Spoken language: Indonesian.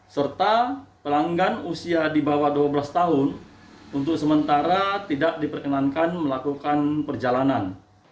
serta pelanggan usia di bawah dua belas tahun untuk sementara tidak diperkenankan melakukan perjalanan